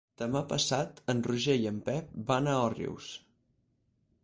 Demà passat en Roger i en Pep van a Òrrius.